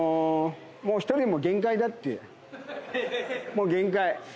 もう限界。